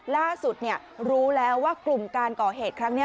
ล่าสุดรู้แล้วว่ากลุ่มการก่อเหตุครั้งนี้